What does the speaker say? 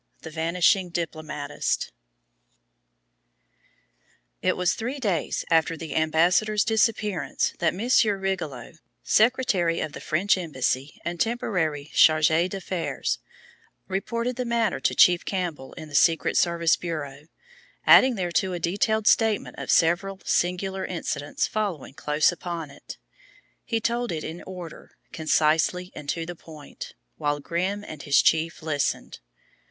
XII THE VANISHING DIPLOMATIST It was three days after the ambassador's disappearance that Monsieur Rigolot, secretary of the French embassy and temporary chargé d'affaires, reported the matter to Chief Campbell in the Secret Service Bureau, adding thereto a detailed statement of several singular incidents following close upon it. He told it in order, concisely and to the point, while Grimm and his chief listened.